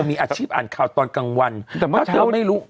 มีอาชีพอ่านข่าวตอนกลางวันถ้าเธอไม่รู้